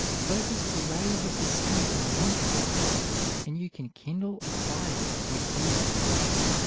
Focus the rays of the sun in winter, and you can kindle a fire with ease.